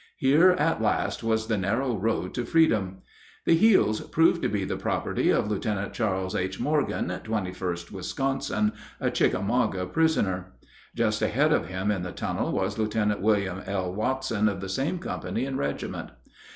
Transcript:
Here at last was the narrow road to freedom! The heels proved to be the property of Lieutenant Charles H. Morgan, 21st Wisconsin, a Chickamauga prisoner. Just ahead of him in the tunnel was Lieutenant William L. Watson of the same company and regiment.